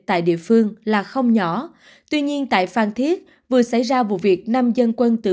tại địa phương là không nhỏ tuy nhiên tại phan thiết vừa xảy ra vụ việc năm dân quân tự